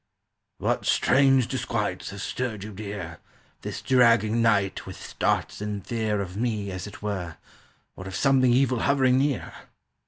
"What strange disquiets have stirred you, dear, This dragging night, with starts in fear Of me, as it were, Or of something evil hovering near?"